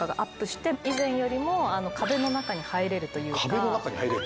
壁の中に入れる？